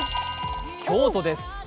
京都です。